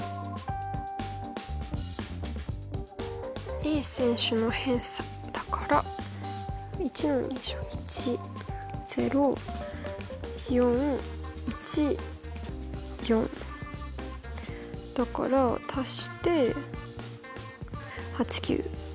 Ａ選手の偏差だから１の２乗１０４１４だから足して８９１０。